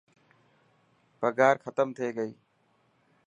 پگهار ختم ٿي گئي.